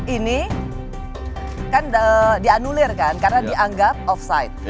ini kan dianulir kan karena dianggap offside